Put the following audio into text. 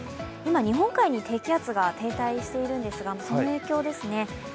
今、日本海に低気圧が停滞しているんですが、その影響ですね。